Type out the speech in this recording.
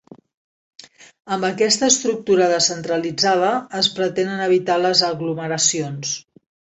Amb aquesta estructura descentralitzada, es pretenen evitar les aglomeracions.